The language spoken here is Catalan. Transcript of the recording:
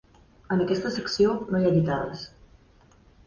En aquesta secció no hi ha guitarres.